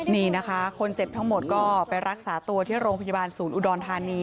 นี่นะคะคนเจ็บทั้งหมดก็ไปรักษาตัวที่โรงพยาบาลศูนย์อุดรธานี